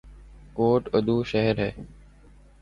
کوٹ ادو شہر ہے